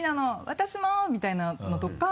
「私も！」みたいなのとか。